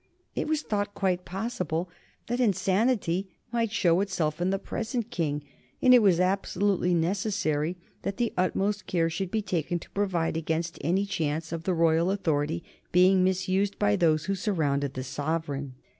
It was thought quite possible that insanity might show itself in the present King, and it was absolutely necessary that the utmost care should be taken to provide against any chance of the royal authority being misused by those who surrounded the sovereign.